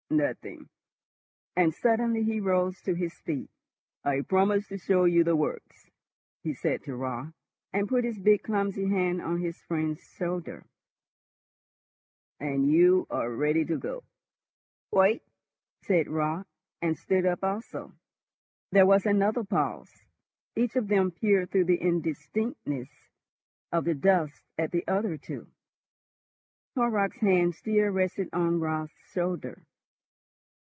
"Nothing;" and suddenly he rose to his feet. "I promised to show you the works," he said to Raut, and put his big, clumsy hand on his friend's shoulder. "And you are ready to go?" "Quite," said Raut, and stood up also. There was another pause. Each of them peered through the indistinctness of the dusk at the other two. Horrocks' hand still rested on Raut's shoulder.